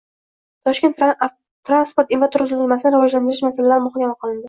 Toshkent transport infratuzilmasini rivojlantirish masalalari muhokama qilindi